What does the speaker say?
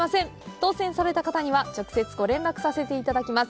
当せんされた方には直接ご連絡させていただきます。